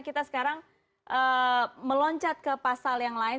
kita sekarang meloncat ke pasal yang lain